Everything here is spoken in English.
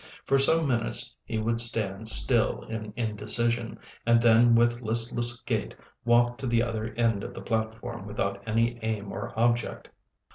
For some minutes he would stand still in indecision, and then with listless gait walk to the other end of the platform without any aim or object.